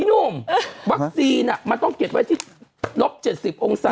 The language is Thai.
หนุ่มวัคซีนมันต้องเก็บไว้ที่ลบ๗๐องศา